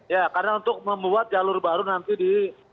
ya karena untuk membuat jalur baru nanti di